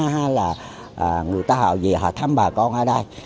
hay là người ta họ gì họ thăm bà con ở đây